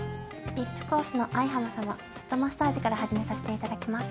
ＶＩＰコースの愛原様フットマッサージから始めさせていただきます。